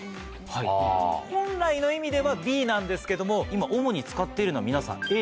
本来の意味ではＢなんですけども今主に使っているのは皆さんＡ。